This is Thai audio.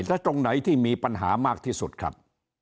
แต่ตรงไหนที่มีปัญหามากที่สุดครับ